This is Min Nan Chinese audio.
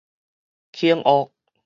肯學